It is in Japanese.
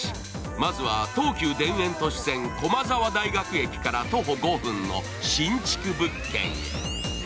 まずは東急田園都市線駒沢大学駅から徒歩５分の新築物件へ。